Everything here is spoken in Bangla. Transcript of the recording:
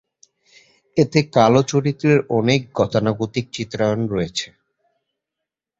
এতে কালো চরিত্রের অনেক গতানুগতিক চিত্রায়ন রয়েছে।